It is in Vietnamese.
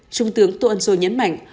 trung tướng tô ân sô nhấn mạnh